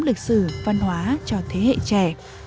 lịch sử văn hóa cho thế hệ trẻ